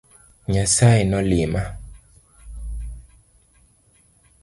Nyasaye nolima.